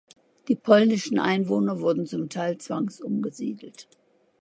Die polnischen Einwohner wurden zum Teil zwangsumgesiedelt.